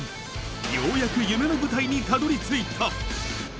ようやく夢の舞台にたどりついた。